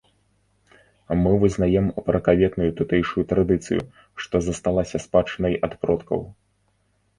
Мы вызнаем пракаветную тутэйшую традыцыю, што засталася спадчынай ад продкаў.